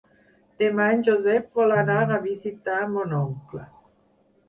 Demà en Josep vol anar a visitar mon oncle.